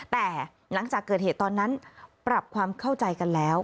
แต่หลังจากเกิดเหตุตอนนั้นปรับความเข้าใจกันแล้ว